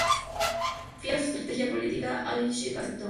Fiel a su estrategia política, al-Ikhshid aceptó.